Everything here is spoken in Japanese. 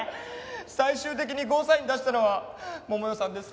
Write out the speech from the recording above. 最終的にゴーサイン出したのは桃代さんです。